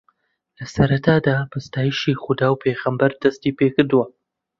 لەسەرەتادا بە ستایشی خودا و پێغەمبەر دەستی پێکردووە